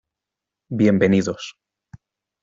Bienvenidos.